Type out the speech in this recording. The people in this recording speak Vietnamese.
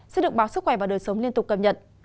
sẽ được báo sức khỏe và đời sống liên tục cập nhật